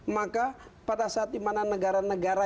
maka pada saat dimana negara negara